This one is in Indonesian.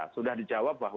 sudah dijawab bahwa